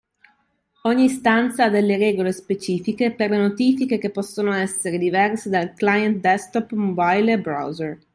Ogni stanza ha delle regole specifiche per le notifiche che possono essere diverse dal client desktop/mobile e browser.